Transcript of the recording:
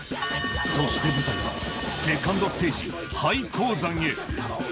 そして舞台は、セカンドステージ、廃鉱山へ。